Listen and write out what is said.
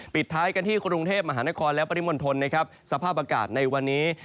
ปิดท้ายกันที่กรุงเทพมหานครและปริมณฑลนะครับสภาพอากาศในวันนี้